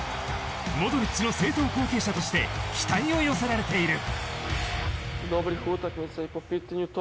モドリッチの正統後継者として期待を寄せられている。